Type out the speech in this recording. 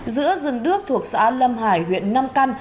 giữa rừng đước thuộc xã lâm hải huyện nam căn